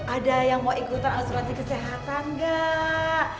ada yang mau ikutan asuransi kesehatan nggak